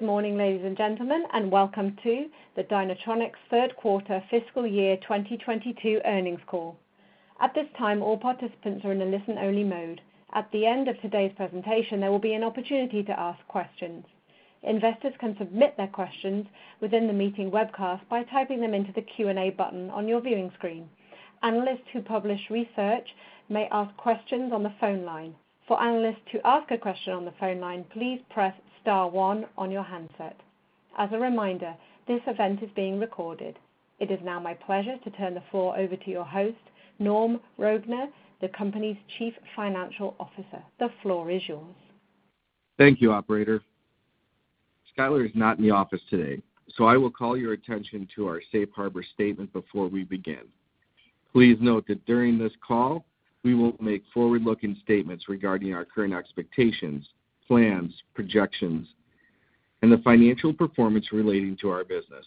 Good morning, ladies and gentlemen, and welcome to the Dynatronics third quarter fiscal year 2022 earnings call. At this time, all participants are in a listen-only mode. At the end of today's presentation, there will be an opportunity to ask questions. Investors can submit their questions within the meeting webcast by typing them into the Q&A button on your viewing screen. Analysts who publish research may ask questions on the phone line. For analysts to ask a question on the phone line, please press star one on your handset. As a reminder, this event is being recorded. It is now my pleasure to turn the floor over to your host, Norm Roegner, the company's Chief Financial Officer. The floor is yours. Thank you, operator. Skyler is not in the office today, so I will call your attention to our safe harbor statement before we begin. Please note that during this call, we will make forward-looking statements regarding our current expectations, plans, projections, and the financial performance relating to our business.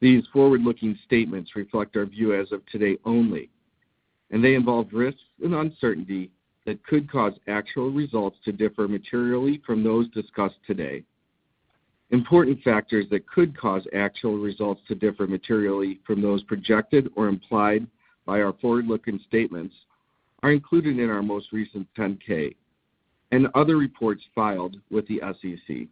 These forward-looking statements reflect our view as of today only, and they involve risks and uncertainty that could cause actual results to differ materially from those discussed today. Important factors that could cause actual results to differ materially from those projected or implied by our forward-looking statements are included in our most recent 10-K and other reports filed with the SEC,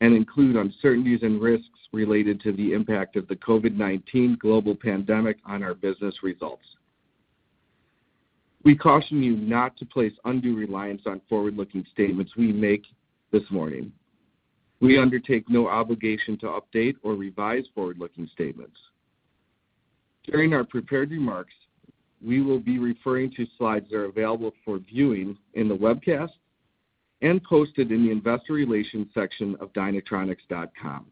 and include uncertainties and risks related to the impact of the COVID-19 global pandemic on our business results. We caution you not to place undue reliance on forward-looking statements we make this morning. We undertake no obligation to update or revise forward-looking statements. During our prepared remarks, we will be referring to slides that are available for viewing in the webcast and posted in the investor relations section of dynatronics.com.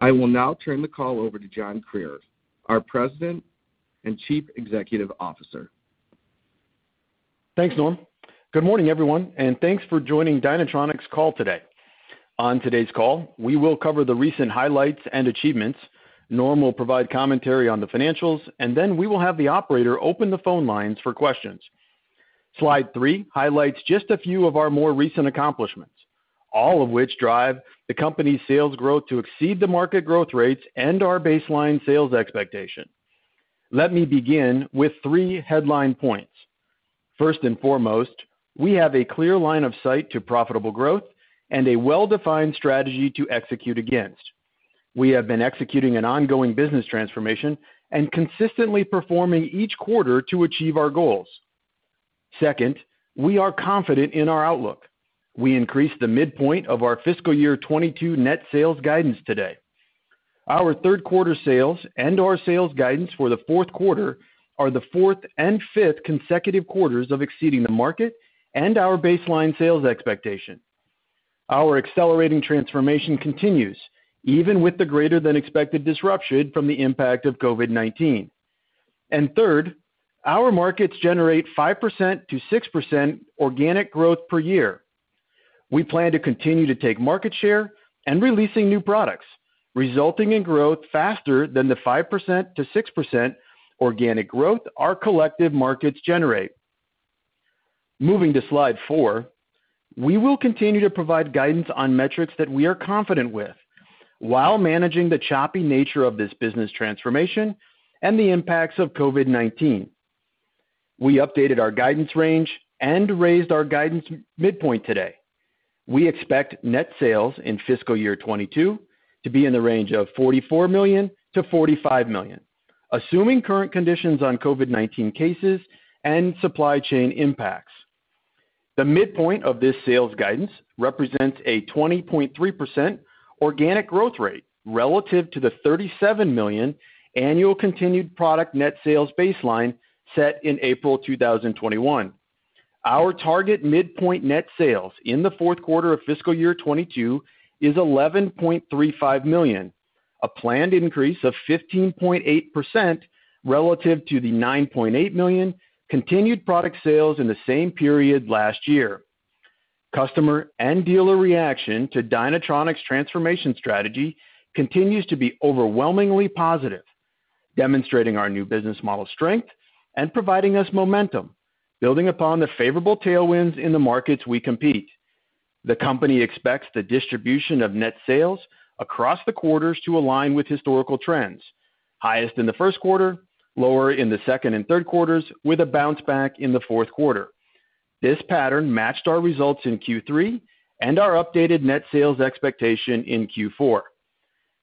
I will now turn the call over to John Krier, our President and Chief Executive Officer. Thanks, Norm. Good morning, everyone, and thanks for joining Dynatronics' call today. On today's call, we will cover the recent highlights and achievements. Norm will provide commentary on the financials, and then we will have the operator open the phone lines for questions. Slide three highlights just a few of our more recent accomplishments, all of which drive the company's sales growth to exceed the market growth rates and our baseline sales expectation. Let me begin with three headline points. First and foremost, we have a clear line of sight to profitable growth and a well-defined strategy to execute against. We have been executing an ongoing business transformation and consistently performing each quarter to achieve our goals. Second, we are confident in our outlook. We increased the midpoint of our fiscal year 2022 net sales guidance today. Our third quarter sales and our sales guidance for the fourth quarter are the fourth and fifth consecutive quarters of exceeding the market and our baseline sales expectation. Our accelerating transformation continues, even with the greater than expected disruption from the impact of COVID-19. Third, our markets generate 5%-6% organic growth per year. We plan to continue to take market share and releasing new products, resulting in growth faster than the 5%-6% organic growth our collective markets generate. Moving to slide four, we will continue to provide guidance on metrics that we are confident with while managing the choppy nature of this business transformation and the impacts of COVID-19. We updated our guidance range and raised our guidance midpoint today. We expect net sales in fiscal year 2022 to be in the range of $44 million-$45 million, assuming current conditions on COVID-19 cases and supply chain impacts. The midpoint of this sales guidance represents a 20.3% organic growth rate relative to the $37 million annual continued product net sales baseline set in April 2021. Our target midpoint net sales in the fourth quarter of fiscal year 2022 is $11.35 million, a planned increase of 15.8% relative to the $9.8 million continued product sales in the same period last year. Customer and dealer reaction to Dynatronics' transformation strategy continues to be overwhelmingly positive, demonstrating our new business model strength and providing us momentum, building upon the favorable tailwinds in the markets we compete. The company expects the distribution of net sales across the quarters to align with historical trends. Highest in the first quarter, lower in the second and third quarters, with a bounce back in the fourth quarter. This pattern matched our results in Q3 and our updated net sales expectation in Q4.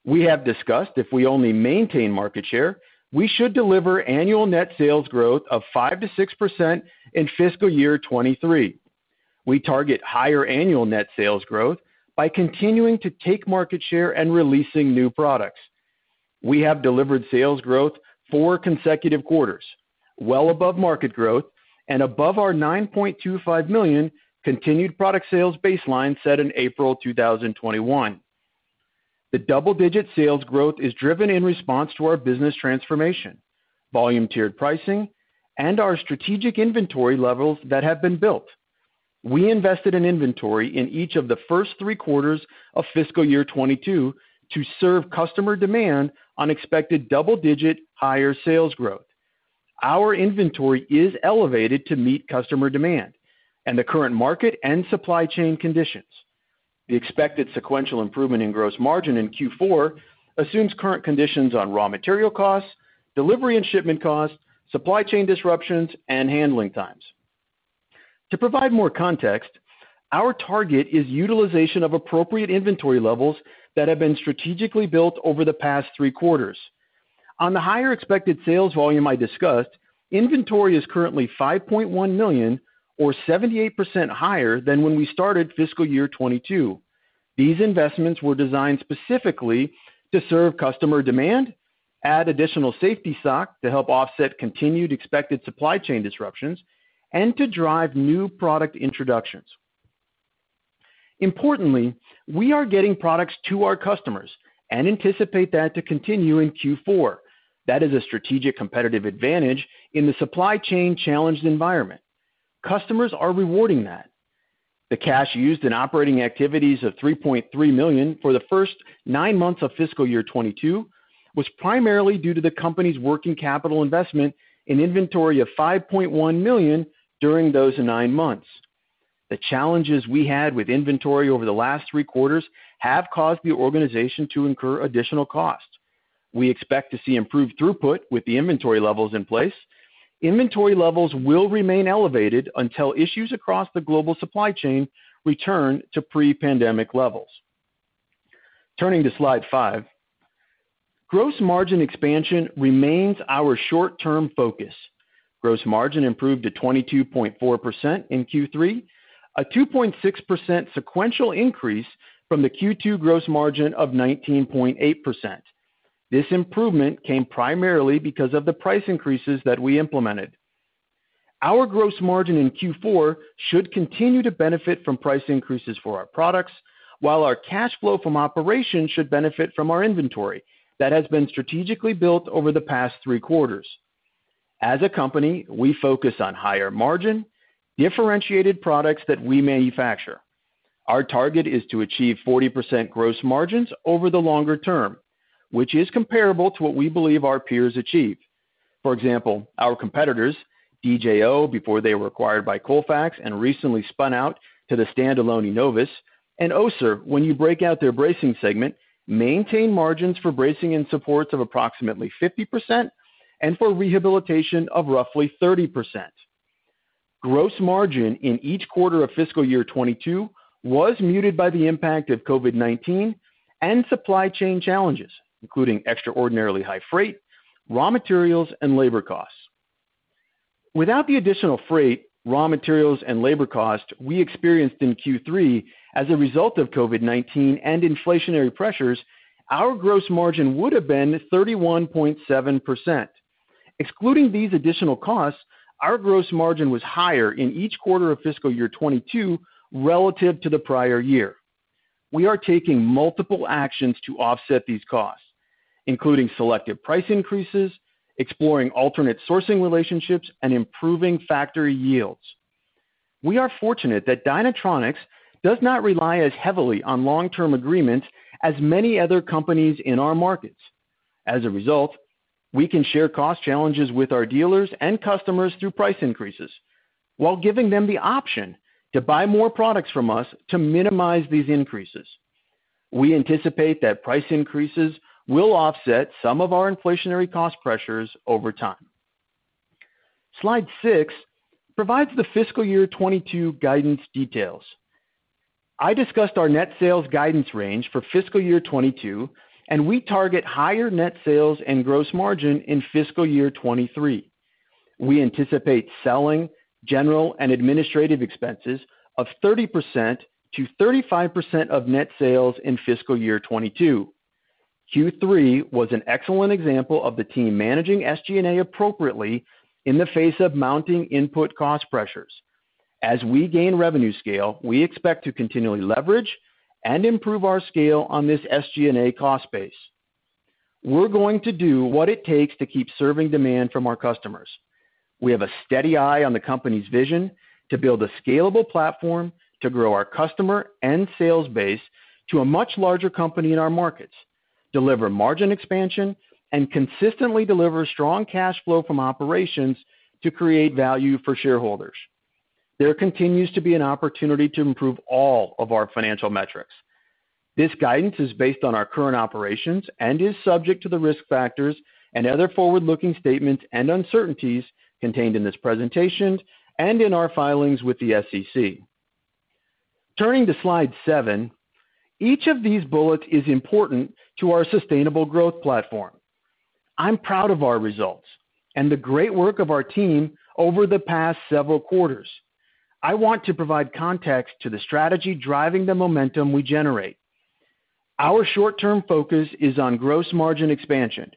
We have discussed if we only maintain market share, we should deliver annual net sales growth of 5%-6% in fiscal year 2023. We target higher annual net sales growth by continuing to take market share and releasing new products. We have delivered sales growth four consecutive quarters, well above market growth and above our $9.25 million continued product sales baseline set in April 2021. The double-digit sales growth is driven in response to our business transformation, volume tiered pricing, and our strategic inventory levels that have been built. We invested in inventory in each of the first three quarters of fiscal year 2022 to serve customer demand on expected double-digit higher sales growth. Our inventory is elevated to meet customer demand and the current market and supply chain conditions. The expected sequential improvement in gross margin in Q4 assumes current conditions on raw material costs, delivery and shipment costs, supply chain disruptions, and handling times. To provide more context, our target is utilization of appropriate inventory levels that have been strategically built over the past three quarters. On the higher expected sales volume I discussed, inventory is currently $5.1 million or 78% higher than when we started fiscal year 2022. These investments were designed specifically to serve customer demand, add additional safety stock to help offset continued expected supply chain disruptions, and to drive new product introductions. Importantly, we are getting products to our customers and anticipate that to continue in Q4. That is a strategic competitive advantage in the supply chain challenged environment. Customers are rewarding that. The cash used in operating activities of $3.3 million for the first nine months of fiscal year 2022 was primarily due to the company's working capital investment in inventory of $5.1 million during those nine months. The challenges we had with inventory over the last three quarters have caused the organization to incur additional costs. We expect to see improved throughput with the inventory levels in place. Inventory levels will remain elevated until issues across the global supply chain return to pre-pandemic levels. Turning to slide five. Gross margin expansion remains our short-term focus. Gross margin improved to 22.4% in Q3, a 2.6% sequential increase from the Q2 gross margin of 19.8%. This improvement came primarily because of the price increases that we implemented. Our gross margin in Q4 should continue to benefit from price increases for our products while our cash flow from operations should benefit from our inventory that has been strategically built over the past three quarters. As a company, we focus on higher margin, differentiated products that we manufacture. Our target is to achieve 40% gross margins over the longer term, which is comparable to what we believe our peers achieve. For example, our competitors, DJO, before they were acquired by Colfax and recently spun out to the standalone Enovis, and Össur, when you break out their bracing segment, maintain margins for bracing and supports of approximately 50% and for rehabilitation of roughly 30%. Gross margin in each quarter of fiscal year 2022 was muted by the impact of COVID-19 and supply chain challenges, including extraordinarily high freight, raw materials, and labor costs. Without the additional freight, raw materials, and labor costs we experienced in Q3 as a result of COVID-19 and inflationary pressures, our gross margin would have been 31.7%. Excluding these additional costs, our gross margin was higher in each quarter of fiscal year 2022 relative to the prior year. We are taking multiple actions to offset these costs, including selective price increases, exploring alternate sourcing relationships, and improving factory yields. We are fortunate that Dynatronics does not rely as heavily on long-term agreements as many other companies in our markets. As a result, we can share cost challenges with our dealers and customers through price increases while giving them the option to buy more products from us to minimize these increases. We anticipate that price increases will offset some of our inflationary cost pressures over time. Slide six provides the fiscal year 2022 guidance details. I discussed our net sales guidance range for fiscal year 2022, and we target higher net sales and gross margin in fiscal year 2023. We anticipate selling, general, and administrative expenses of 30%-35% of net sales in fiscal year 2022. Q3 was an excellent example of the team managing SG&A appropriately in the face of mounting input cost pressures. As we gain revenue scale, we expect to continually leverage and improve our scale on this SG&A cost base. We're going to do what it takes to keep serving demand from our customers. We have a steady eye on the company's vision to build a scalable platform to grow our customer and sales base to a much larger company in our markets, deliver margin expansion, and consistently deliver strong cash flow from operations to create value for shareholders. There continues to be an opportunity to improve all of our financial metrics. This guidance is based on our current operations and is subject to the risk factors and other forward-looking statements and uncertainties contained in this presentation and in our filings with the SEC. Turning to slide seven, each of these bullets is important to our sustainable growth platform. I'm proud of our results and the great work of our team over the past several quarters. I want to provide context to the strategy driving the momentum we generate. Our short-term focus is on gross margin expansion,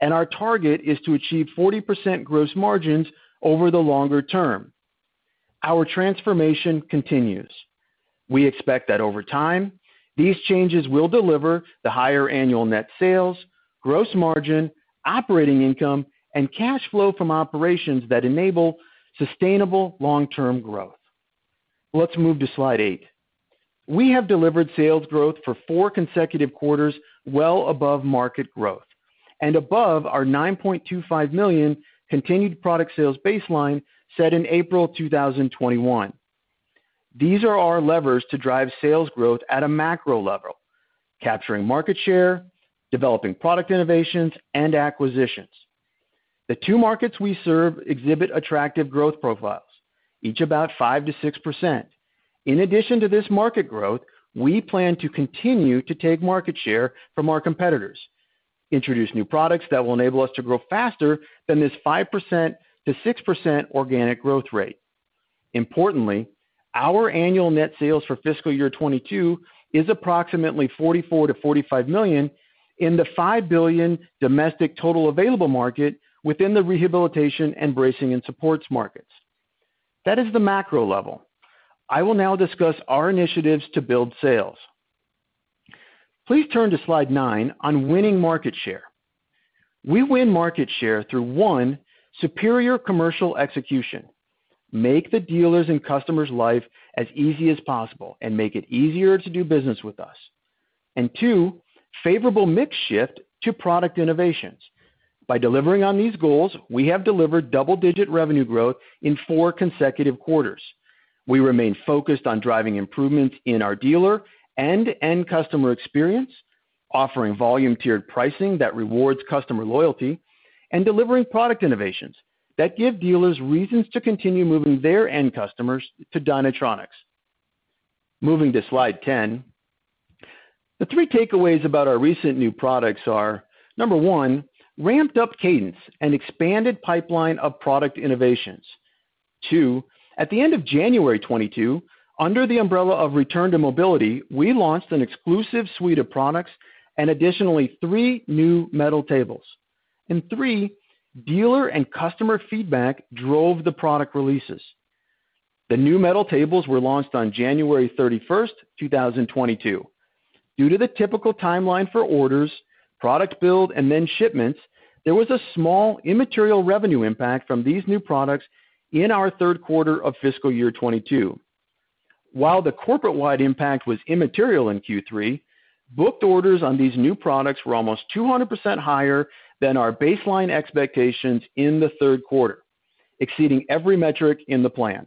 and our target is to achieve 40% gross margins over the longer term. Our transformation continues. We expect that over time, these changes will deliver the higher annual net sales, gross margin, operating income, and cash flow from operations that enable sustainable long-term growth. Let's move to slide 8. We have delivered sales growth for four consecutive quarters well above market growth and above our $9.25 million continued product sales baseline set in April 2021. These are our levers to drive sales growth at a macro level, capturing market share, developing product innovations, and acquisitions. The two markets we serve exhibit attractive growth profiles, each about 5%-6%. In addition to this market growth, we plan to continue to take market share from our competitors, introduce new products that will enable us to grow faster than this 5%-6% organic growth rate. Importantly, our annual net sales for fiscal year 2022 is approximately $44 million-$45 million in the $5 billion domestic total available market within the rehabilitation and bracing and supports markets. That is the macro level. I will now discuss our initiatives to build sales. Please turn to slide nine on winning market share. We win market share through, one, superior commercial execution. Make the dealers' and customers' life as easy as possible and make it easier to do business with us. Two, favorable mix shift to product innovations. By delivering on these goals, we have delivered double-digit revenue growth in four consecutive quarters. We remain focused on driving improvements in our dealer and end customer experience, offering volume tiered pricing that rewards customer loyalty, and delivering product innovations that give dealers reasons to continue moving their end customers to Dynatronics. Moving to slide 10. The three takeaways about our recent new products are, number one, ramped up cadence and expanded pipeline of product innovations. Two, at the end of January 2022, under the umbrella of Return to Mobility, we launched an exclusive suite of products and additionally three new metal tables. Three, dealer and customer feedback drove the product releases. The new metal tables were launched on January 31st, 2022. Due to the typical timeline for orders, product build, and then shipments, there was a small immaterial revenue impact from these new products in our third quarter of fiscal year 2022. While the corporate-wide impact was immaterial in Q3, booked orders on these new products were almost 200% higher than our baseline expectations in the third quarter, exceeding every metric in the plan.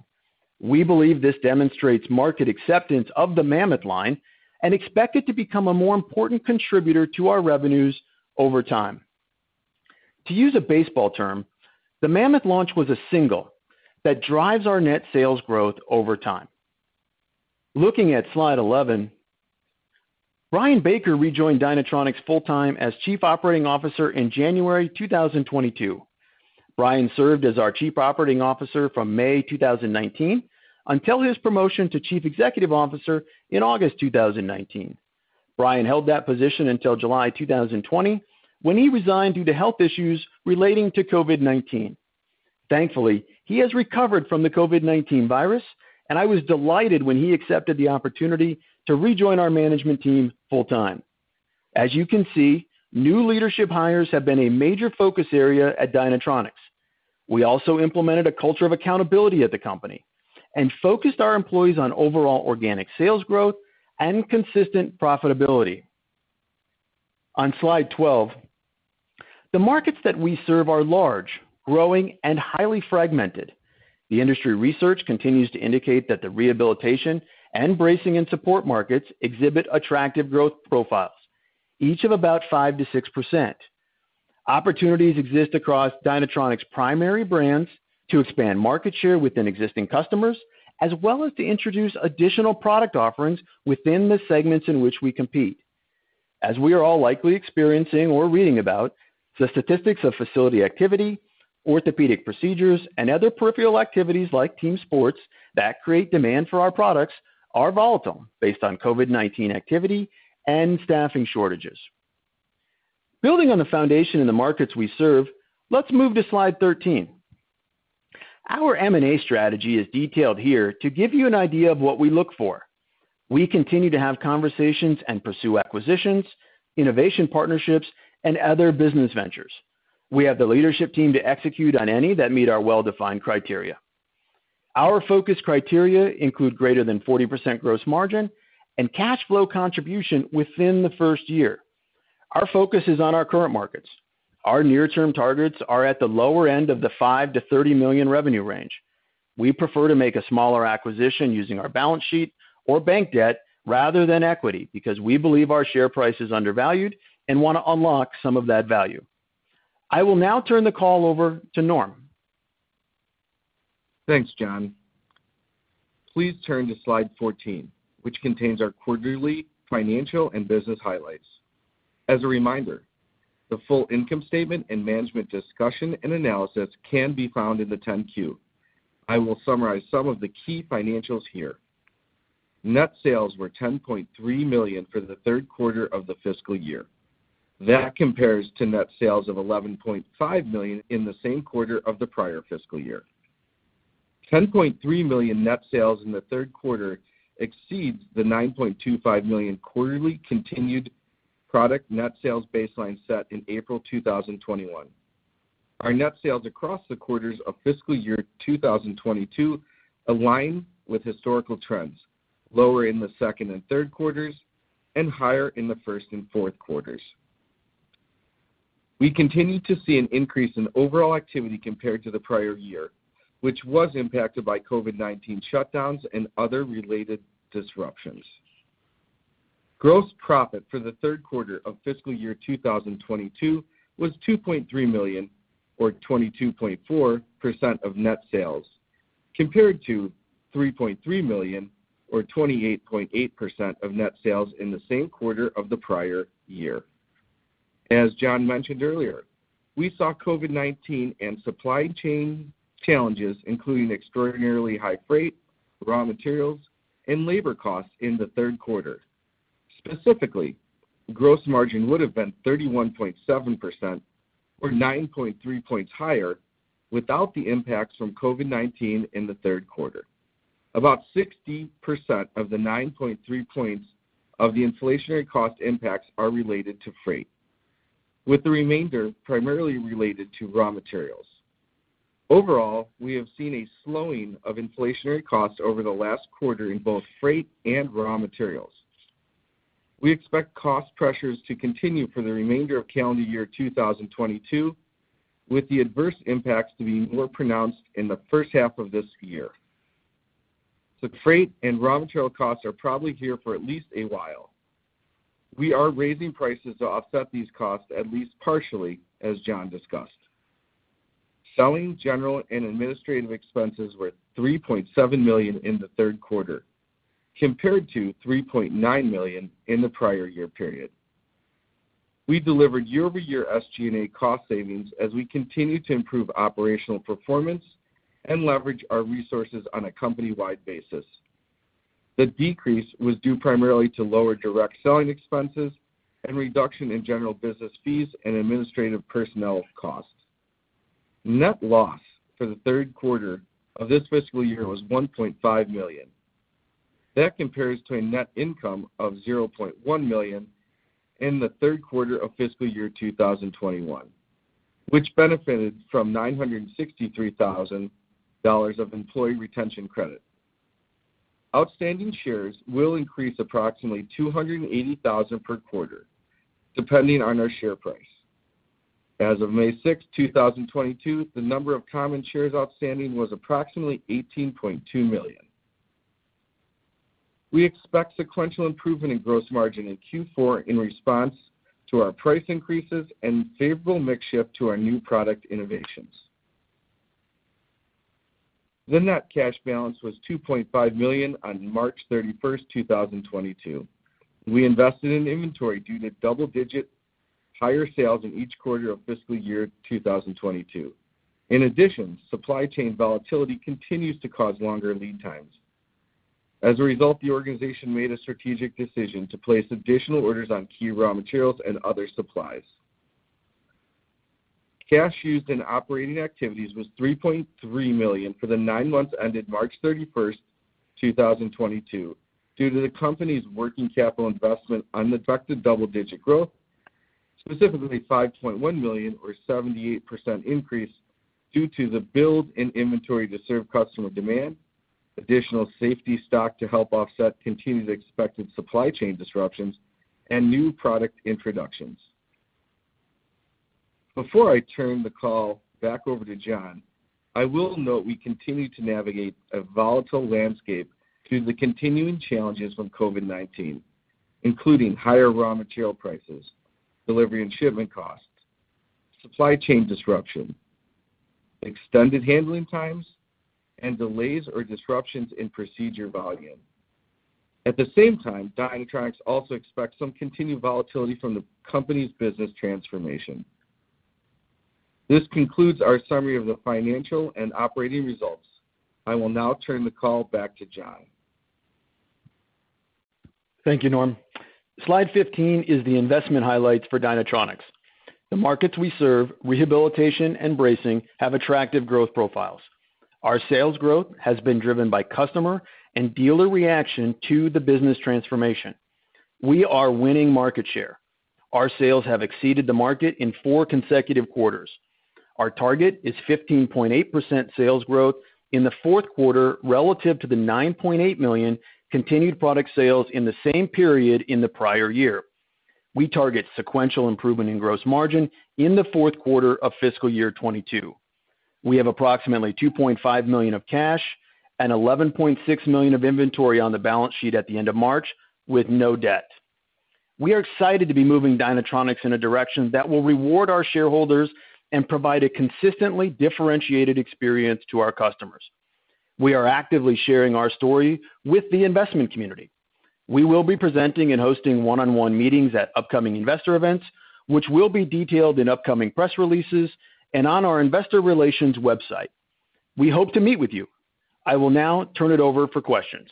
We believe this demonstrates market acceptance of the Mammoth line and expect it to become a more important contributor to our revenues over time. To use a baseball term, the Mammoth launch was a single that drives our net sales growth over time. Looking at slide 11, Brian Baker rejoined Dynatronics full-time as Chief Operating Officer in January 2022. Brian served as our Chief Operating Officer from May 2019 until his promotion to Chief Executive Officer in August 2019. Brian held that position until July 2020, when he resigned due to health issues relating to COVID-19. Thankfully, he has recovered from the COVID-19 virus, and I was delighted when he accepted the opportunity to rejoin our management team full-time. As you can see, new leadership hires have been a major focus area at Dynatronics. We also implemented a culture of accountability at the company and focused our employees on overall organic sales growth and consistent profitability. On slide 12, the markets that we serve are large, growing, and highly fragmented. The industry research continues to indicate that the rehabilitation and bracing and support markets exhibit attractive growth profiles, each of about 5%-6%. Opportunities exist across Dynatronics' primary brands to expand market share within existing customers, as well as to introduce additional product offerings within the segments in which we compete. As we are all likely experiencing or reading about, the statistics of facility activity, orthopedic procedures, and other peripheral activities like team sports that create demand for our products are volatile based on COVID-19 activity and staffing shortages. Building on the foundation in the markets we serve, let's move to slide 13. Our M&A strategy is detailed here to give you an idea of what we look for. We continue to have conversations and pursue acquisitions, innovation partnerships, and other business ventures. We have the leadership team to execute on any that meet our well-defined criteria. Our focus criteria include greater than 40% gross margin and cash flow contribution within the first year. Our focus is on our current markets. Our near-term targets are at the lower end of the $5 million-$30 million revenue range. We prefer to make a smaller acquisition using our balance sheet or bank debt rather than equity because we believe our share price is undervalued and want to unlock some of that value. I will now turn the call over to Norm. Thanks, John. Please turn to slide 14, which contains our quarterly financial and business highlights. As a reminder, the full income statement and management discussion and analysis can be found in the 10-Q. I will summarize some of the key financials here. Net sales were $10.3 million for the third quarter of the fiscal year. That compares to net sales of $11.5 million in the same quarter of the prior fiscal year. $10.3 million net sales in the third quarter exceeds the $9.25 million quarterly continued product net sales baseline set in April 2021. Our net sales across the quarters of fiscal year 2022 align with historical trends, lower in the second and third quarters and higher in the first and fourth quarters. We continue to see an increase in overall activity compared to the prior year, which was impacted by COVID-19 shutdowns and other related disruptions. Gross profit for the third quarter of fiscal year 2022 was $2.3 million or 22.4% of net sales, compared to $3.3 million or 28.8% of net sales in the same quarter of the prior year. As John mentioned earlier, we saw COVID-19 and supply chain challenges, including extraordinarily high freight, raw materials, and labor costs in the third quarter. Specifically, gross margin would have been 31.7% or 9.3 points higher without the impacts from COVID-19 in the third quarter. About 60% of the 9.3 points of the inflationary cost impacts are related to freight, with the remainder primarily related to raw materials. Overall, we have seen a slowing of inflationary costs over the last quarter in both freight and raw materials. We expect cost pressures to continue for the remainder of calendar year 2022, with the adverse impacts to be more pronounced in the first half of this year. The freight and raw material costs are probably here for at least a while. We are raising prices to offset these costs at least partially, as John discussed. Selling, general, and administrative expenses were $3.7 million in the third quarter, compared to $3.9 million in the prior year period. We delivered year-over-year SG&A cost savings as we continue to improve operational performance and leverage our resources on a company-wide basis. The decrease was due primarily to lower direct selling expenses and reduction in general business fees and administrative personnel costs. Net loss for the third quarter of this fiscal year was $1.5 million. That compares to a net income of $0.1 million in the third quarter of fiscal year 2021, which benefited from $963,000 of employee retention credit. Outstanding shares will increase approximately 280,000 per quarter, depending on our share price. As of May 6, 2022, the number of common shares outstanding was approximately 18.2 million. We expect sequential improvement in gross margin in Q4 in response to our price increases and favorable mix shift to our new product innovations. The net cash balance was $2.5 million on March 31st, 2022. We invested in inventory due to double-digit higher sales in each quarter of fiscal year 2022. In addition, supply chain volatility continues to cause longer lead times. As a result, the organization made a strategic decision to place additional orders on key raw materials and other supplies. Cash used in operating activities was $3.3 million for the nine months ended March 31st, 2022 due to the company's working capital investment on the expected double-digit growth, specifically $5.1 million or 78% increase due to the build in inventory to serve customer demand, additional safety stock to help offset continued expected supply chain disruptions and new product introductions. Before I turn the call back over to John, I will note we continue to navigate a volatile landscape due to the continuing challenges from COVID-19, including higher raw material prices, delivery and shipment costs, supply chain disruption, extended handling times, and delays or disruptions in procedure volume. At the same time, Dynatronics also expects some continued volatility from the company's business transformation. This concludes our summary of the financial and operating results. I will now turn the call back to John. Thank you, Norm. Slide 15 is the investment highlights for Dynatronics. The markets we serve, rehabilitation and bracing, have attractive growth profiles. Our sales growth has been driven by customer and dealer reaction to the business transformation. We are winning market share. Our sales have exceeded the market in four consecutive quarters. Our target is 15.8% sales growth in the fourth quarter relative to the $9.8 million continued product sales in the same period in the prior year. We target sequential improvement in gross margin in the fourth quarter of fiscal year 2022. We have approximately $2.5 million of cash and $11.6 million of inventory on the balance sheet at the end of March with no debt. We are excited to be moving Dynatronics in a direction that will reward our shareholders and provide a consistently differentiated experience to our customers. We are actively sharing our story with the investment community. We will be presenting and hosting one-on-one meetings at upcoming investor events, which will be detailed in upcoming press releases and on our investor relations website. We hope to meet with you. I will now turn it over for questions.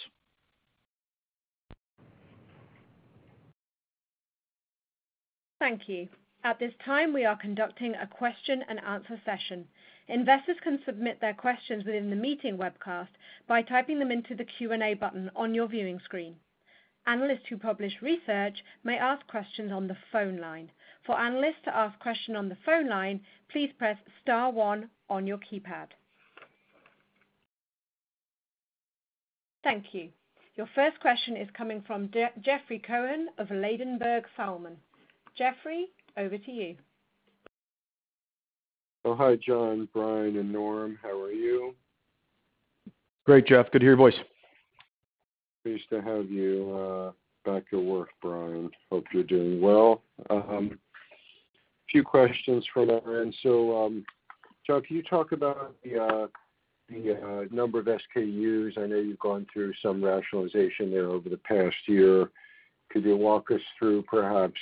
Thank you. At this time, we are conducting a question and answer session. Investors can submit their questions within the meeting webcast by typing them into the Q&A button on your viewing screen. Analysts who publish research may ask questions on the phone line. For analysts to ask question on the phone line, please press star one on your keypad. Thank you. Your first question is coming from Jeffrey Cohen of Ladenburg Thalmann. Jeffrey, over to you. Oh, hi, John, Brian, and Norm. How are you? Great, Jeff. Good to hear your voice. Pleased to have you back at work, Brian. Hope you're doing well. Few questions from our end. John, can you talk about the number of SKUs? I know you've gone through some rationalization there over the past year. Could you walk us through perhaps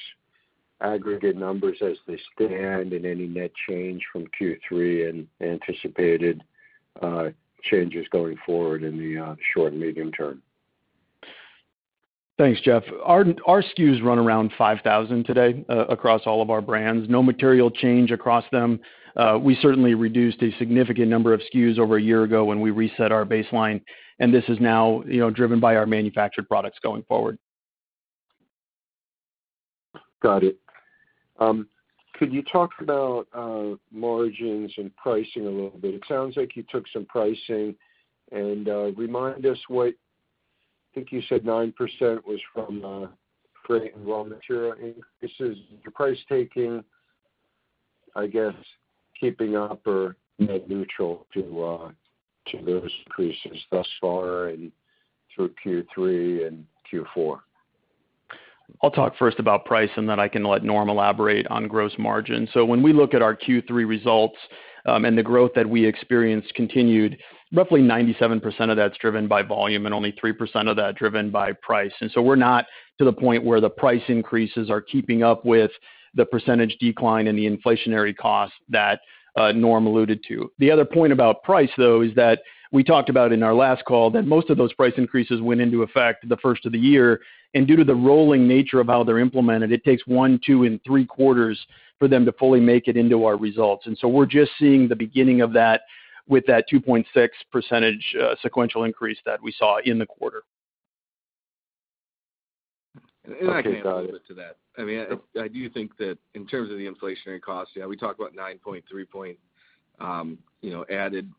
aggregate numbers as they stand and any net change from Q3 and anticipated changes going forward in the short and medium term? Thanks, Jeff. Our SKUs run around 5,000 today across all of our brands. No material change across them. We certainly reduced a significant number of SKUs over a year ago when we reset our baseline, and this is now, you know, driven by our manufactured products going forward. Got it. Could you talk about margins and pricing a little bit? It sounds like you took some pricing, and remind us what I think you said 9% was from freight and raw material increases? Is your price taking, I guess, keeping up or net neutral to those increases thus far and through Q3 and Q4? I'll talk first about price, and then I can let Norm elaborate on gross margin. When we look at our Q3 results, and the growth that we experienced continued, roughly 97% of that's driven by volume and only 3% of that driven by price. We're not to the point where the price increases are keeping up with the percentage decline in the inflationary cost that, Norm alluded to. The other point about price, though, is that we talked about in our last call that most of those price increases went into effect the first of the year, and due to the rolling nature of how they're implemented, it takes one, two, and three quarters for them to fully make it into our results. We're just seeing the beginning of that with that 2.6% sequential increase that we saw in the quarter. Okay, got it. I can add a little bit to that. I mean, I do think that in terms of the inflationary costs, yeah, we talked about 9.3, you know, added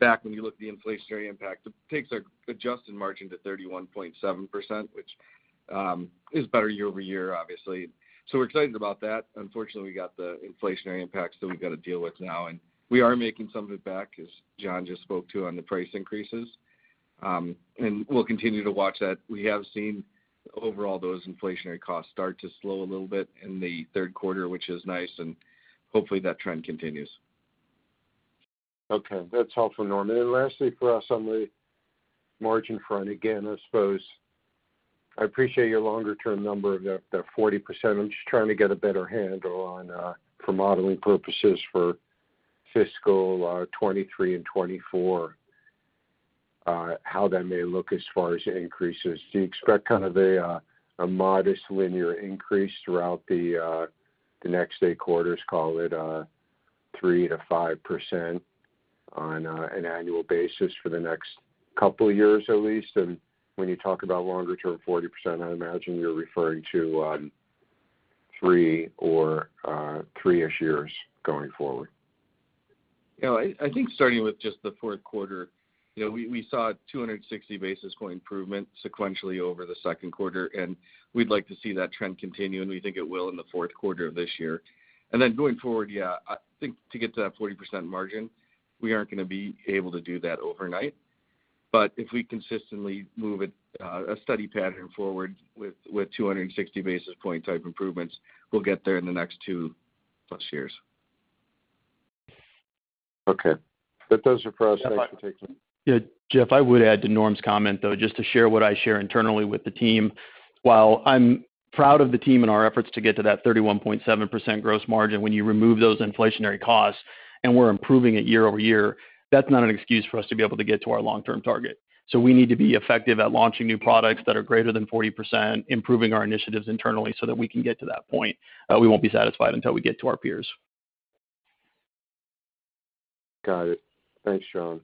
back when you look at the inflationary impact. It takes our adjusted margin to 31.7%, which is better year-over-year, obviously. We're excited about that. Unfortunately, we got the inflationary impacts that we've got to deal with now, and we are making some of it back, as John just spoke to on the price increases. We'll continue to watch that. We have seen overall those inflationary costs start to slow a little bit in the third quarter, which is nice, and hopefully that trend continues. Okay. That's all for Norm. Then lastly for us on the margin front, again, I suppose I appreciate your longer-term number of that 40%. I'm just trying to get a better handle on, for modeling purposes for fiscal 2023 and 2024, how that may look as far as increases? Do you expect kind of a modest linear increase throughout the next eight quarters, call it, 3%-5% on an annual basis for the next couple of years at least? When you talk about longer term, 40%, I imagine you're referring to three or three-ish years going forward. You know, I think starting with just the fourth quarter, you know, we saw 260 basis points improvement sequentially over the second quarter, and we'd like to see that trend continue, and we think it will in the fourth quarter of this year. Then going forward, yeah, I think to get to that 40% margin, we aren't gonna be able to do that overnight. If we consistently move it a steady pattern forward with 260 basis points type improvements, we'll get there in the next 2+ years. Okay. That does it for us. Thanks for taking- Yeah. Jeff, I would add to Norm's comment, though, just to share what I share internally with the team. While I'm proud of the team and our efforts to get to that 31.7% gross margin, when you remove those inflationary costs and we're improving it year-over-year, that's not an excuse for us to be able to get to our long-term target. We need to be effective at launching new products that are greater than 40%, improving our initiatives internally so that we can get to that point. We won't be satisfied until we get to our peers. Got it. Thanks, John.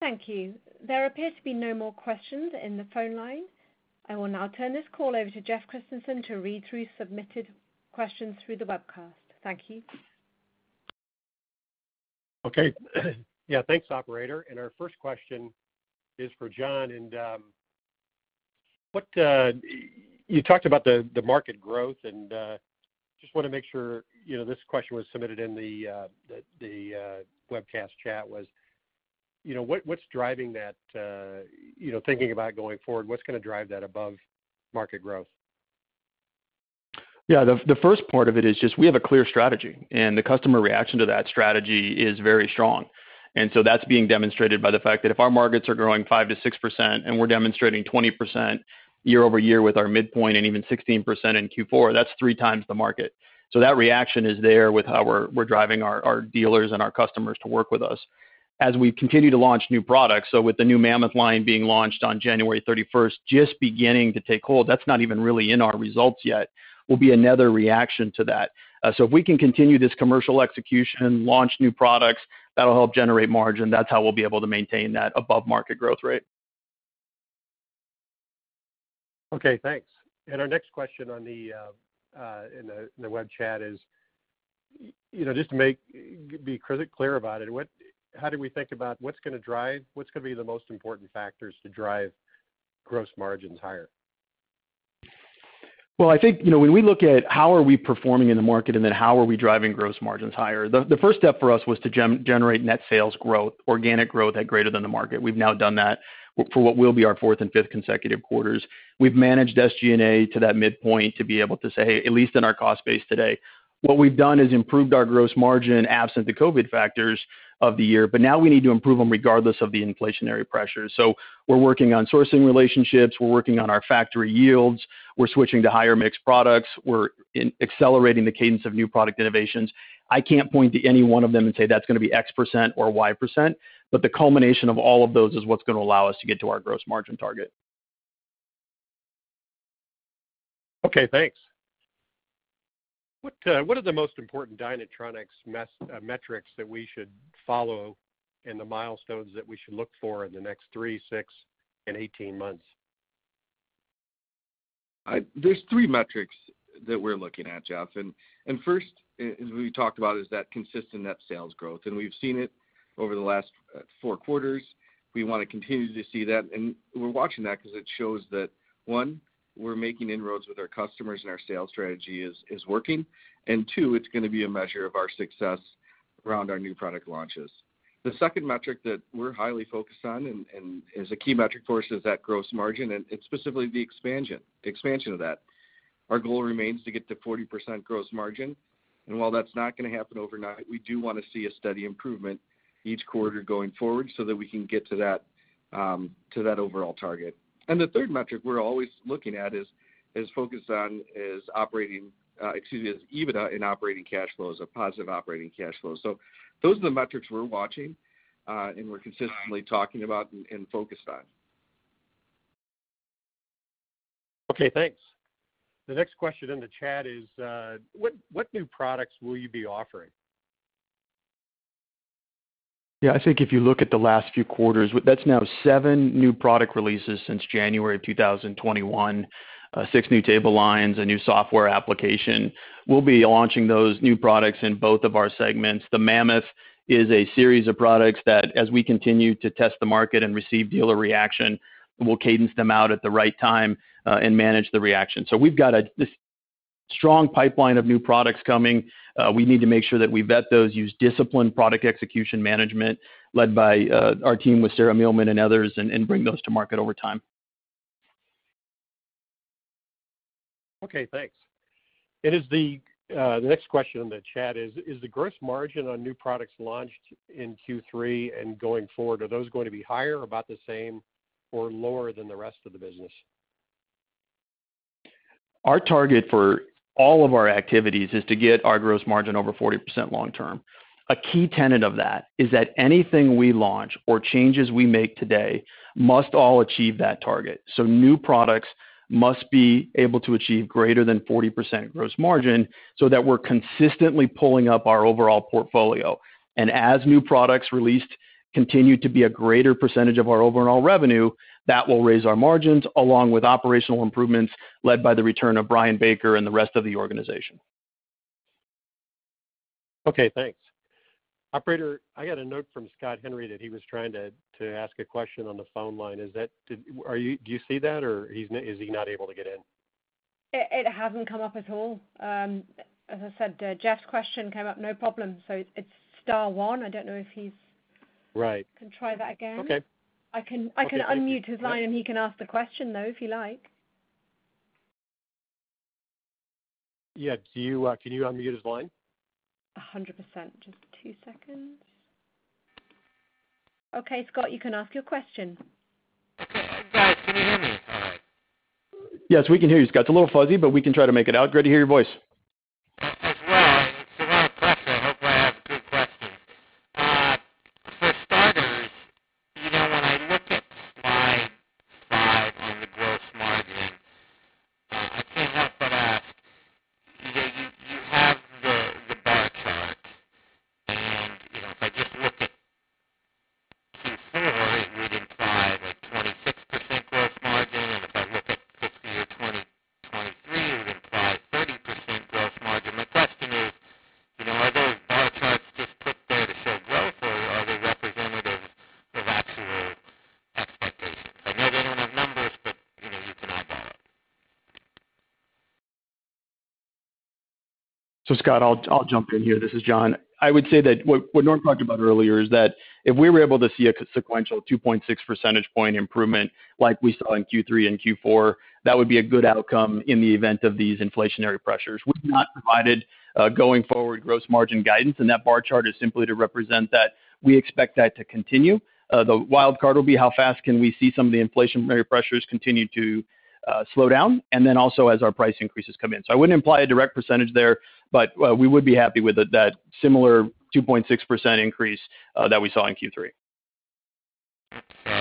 Thank you. There appears to be no more questions in the phone line. I will now turn this call over to Jeff Christensen to read through submitted questions through the webcast. Thank you. Okay. Yeah. Thanks, operator. Our first question is for John, and what you talked about, the market growth, and just wanna make sure, you know, this question was submitted in the webcast chat, was you know what's driving that, you know, thinking about going forward, what's gonna drive that above market growth? Yeah. The first part of it is just we have a clear strategy, and the customer reaction to that strategy is very strong. That's being demonstrated by the fact that if our markets are growing 5%-6% and we're demonstrating 20% year-over-year with our midpoint and even 16% in Q4, that's three times the market. That reaction is there with how we're driving our dealers and our customers to work with us. As we continue to launch new products, with the new Mammoth line being launched on January 31st, just beginning to take hold, that's not even really in our results yet, will be another reaction to that. If we can continue this commercial execution, launch new products, that'll help generate margin. That's how we'll be able to maintain that above-market growth rate. Okay, thanks. Our next question on the web chat is, you know, just to be clear about it, how do we think about what's gonna drive, what's gonna be the most important factors to drive gross margins higher? Well, I think, you know, when we look at how are we performing in the market and then how are we driving gross margins higher, the first step for us was to generate net sales growth, organic growth at greater than the market. We've now done that for what will be our fourth and fifth consecutive quarters. We've managed SG&A to that midpoint to be able to say, at least in our cost base today. What we've done is improved our gross margin absent the COVID factors of the year. Now we need to improve them regardless of the inflationary pressure. We're working on sourcing relationships, we're working on our factory yields, we're switching to higher mixed products, we're accelerating the cadence of new product innovations. I can't point to any one of them and say that's gonna be X% or Y%, but the culmination of all of those is what's gonna allow us to get to our gross margin target. Okay, thanks. What are the most important Dynatronics metrics that we should follow and the milestones that we should look for in the next three, six, and 18 months? There's three metrics that we're looking at, Jeff. First is what we talked about is that consistent net sales growth. We've seen it over the last four quarters. We wanna continue to see that, and we're watching that 'cause it shows that, one, we're making inroads with our customers and our sales strategy is working. Two, it's gonna be a measure of our success around our new product launches. The second metric that we're highly focused on and is a key metric for us is that gross margin, and it's specifically the expansion of that. Our goal remains to get to 40% gross margin. While that's not gonna happen overnight, we do wanna see a steady improvement each quarter going forward so that we can get to that overall target. The third metric we're always looking at is focused on EBITDA and operating cash flows or positive operating cash flows. Those are the metrics we're watching, and we're consistently talking about and focused on. Okay, thanks. The next question in the chat is, what new products will you be offering? Yeah. I think if you look at the last few quarters, that's now seven new product releases since January 2021. Six new table lines, a new software application. We'll be launching those new products in both of our segments. The Mammoth is a series of products that, as we continue to test the market and receive dealer reaction, we'll cadence them out at the right time, and manage the reaction. We've got this strong pipeline of new products coming. We need to make sure that we vet those, use disciplined product execution management led by our team with Sarah Milman and others, and bring those to market over time. Okay, thanks. It is the next question in the chat is the gross margin on new products launched in Q3 and going forward, are those going to be higher, about the same, or lower than the rest of the business? Our target for all of our activities is to get our gross margin over 40% long term. A key tenet of that is that anything we launch or changes we make today must all achieve that target. New products must be able to achieve greater than 40% gross margin so that we're consistently pulling up our overall portfolio. As new products released continue to be a greater percentage of our overall revenue, that will raise our margins, along with operational improvements led by the return of Brian Baker and the rest of the organization. Okay, thanks. Operator, I got a note from Scott Henry that he was trying to ask a question on the phone line. Do you see that or is he not able to get in? It hasn't come up at all. As I said, Jeff's question came up no problem. It's star one. I don't know if he's- Right. Can try that again. Okay. I can unmute his line and he can ask the question, though, if you like. Yeah. Can you unmute his line? 100%. Just two seconds. Okay, Scott, you can ask your question. Okay. Guys, can you hear me all right? Yes, we can hear you, Scott. It's a little fuzzy, but we can try to make it out. Great to hear your voice. but we would be happy with a that similar 2.6% increase that we saw in Q3. Okay.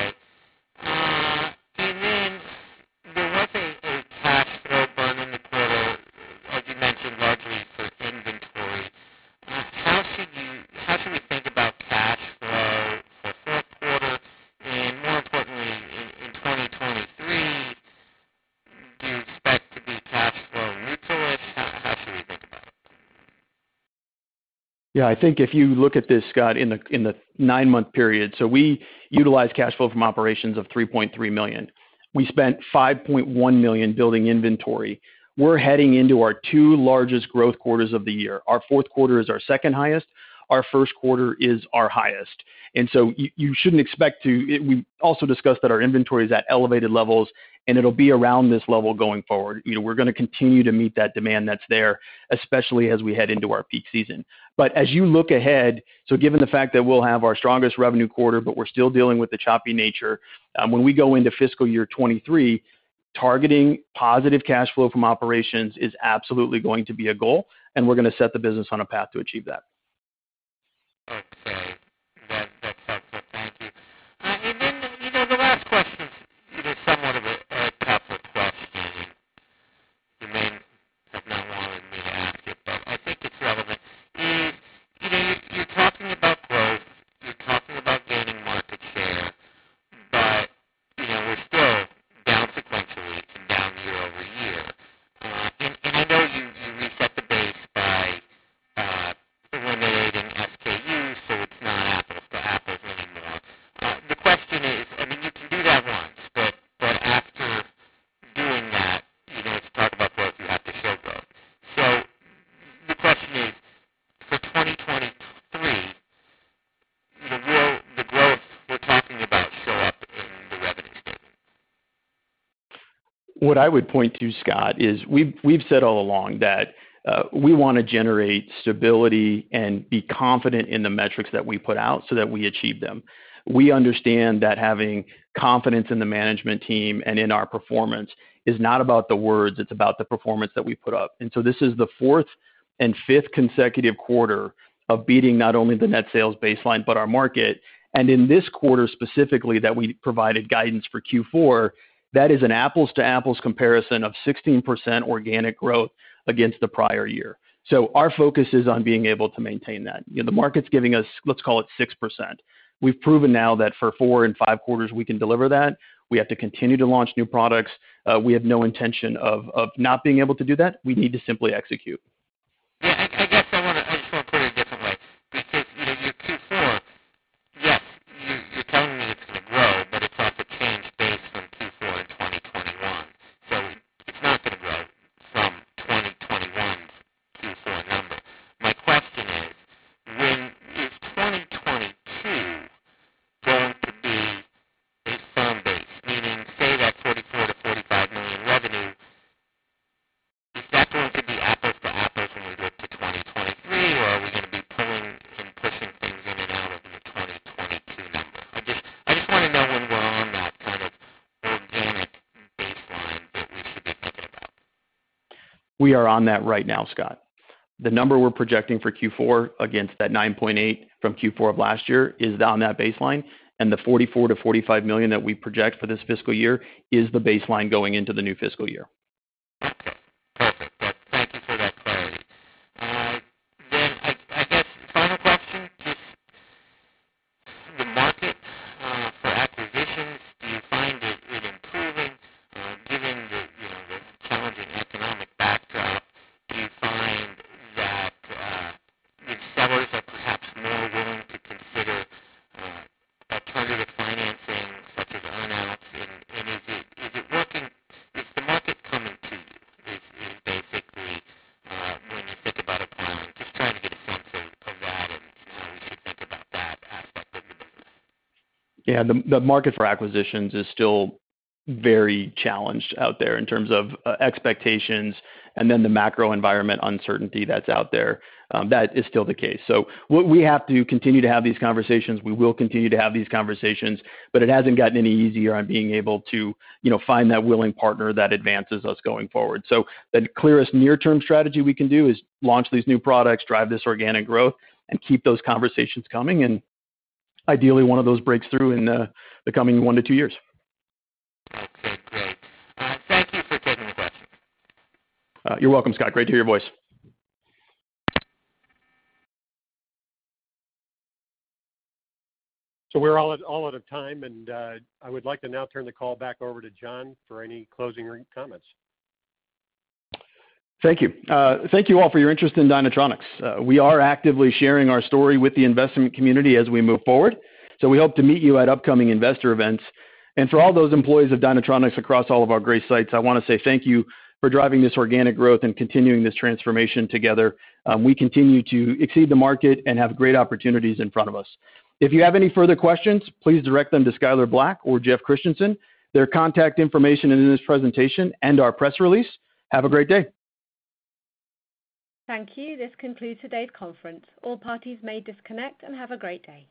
Then the revenue quarter. More importantly, in 2023, do you expect to be cash flow neutral-ish? How should we think about it? Yeah. I think if you look at this, Scott, in the nine-month period, we utilized cash flow from operations of $3.3 million. We spent $5.1 million building inventory. We're heading into our two largest growth quarters of the year. Our fourth quarter is our second highest, our first quarter is our highest. You shouldn't expect to. We also discussed that our inventory is at elevated levels, and it'll be around this level going forward. You know, we're gonna continue to meet that demand that's there, especially as we head into our peak season. As you look ahead, so given the fact that we'll have our strongest revenue quarter, but we're still dealing with the choppy nature, when we go into fiscal year 2023, targeting positive cash flow from operations is absolutely going to be a goal, and we're gonna set the business on a path to achieve that. Okay. That's that is an apples to apples comparison of 16% organic growth against the prior year. Our focus is on being able to maintain that. You know, the market's giving us, let's call it 6%. We've proven now that for four and five quarters we can deliver that. We have to continue to launch new products. We have no intention of not being able to do that. We need to simply execute. ideally one of those breaks through in the coming 1-2 years. Okay, great. Thank you for taking the questions. You're welcome, Scott. Great to hear your voice. We're all out of time, and I would like to now turn the call back over to John for any closing comments. Thank you. Thank you all for your interest in Dynatronics. We are actively sharing our story with the investment community as we move forward, so we hope to meet you at upcoming investor events. For all those employees of Dynatronics across all of our great sites, I wanna say thank you for driving this organic growth and continuing this transformation together. We continue to exceed the market and have great opportunities in front of us. If you have any further questions, please direct them to Skyler Black or Jeff Christensen. Their contact information is in this presentation and our press release. Have a great day. Thank you. This concludes today's conference. All parties may disconnect and have a great day.